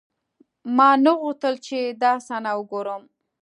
ما نه غوښتل چې دا صحنه وګورم.